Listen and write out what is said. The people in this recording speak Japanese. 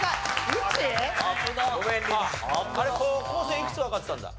生いくつわかったんだ？